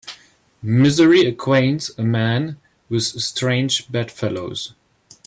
Misery acquaints a man with strange bedfellows